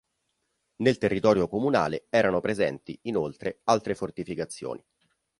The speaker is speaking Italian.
Nel territorio comunale erano presenti, inoltre, altre fortificazioni.